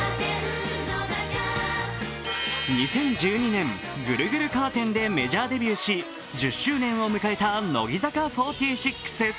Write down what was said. ２０１２年、「ぐるぐるカーテン」でメジャーデビューし１０周年を迎えた乃木坂４６。